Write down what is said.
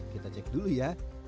kita cek dulu ya